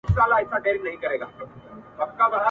ساقي د محتسب او د شیخانو له شامته!.